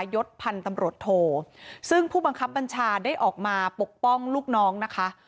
ยศพันธุ์ตำรวจโทซึ่งผู้บังคับบัญชาได้ออกมาปกป้องลูกน้องนะคะ